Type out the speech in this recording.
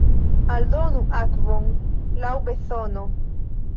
Aldonu akvon laŭ bezono.